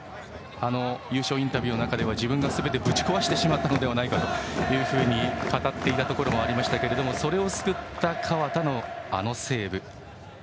優勝インタビューの中では自分がすべてぶち壊してしまったのではと語っていたところはありましたがそれを救った河田のあのセーブ。